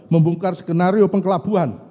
membongkar skenario pengkelabuhan